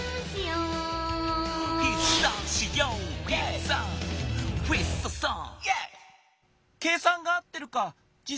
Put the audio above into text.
うん！